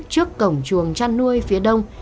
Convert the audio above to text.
trước cổng chuồng chăn nuôi phía đông